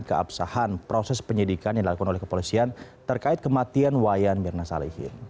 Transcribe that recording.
keabsahan proses penyidikan yang dilakukan oleh kepolisian terkait kematian wayan mirna salihin